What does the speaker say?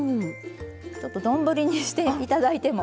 ちょっと丼にして頂いても。